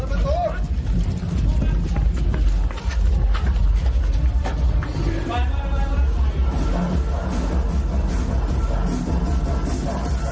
รักแก่ของหานะครับ